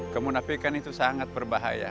kemunafikan itu sangat berbahaya